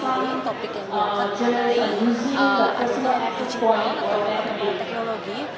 ada kali ini topik yang diangkat adalah asli beragam kecil atau perkembangan teknologi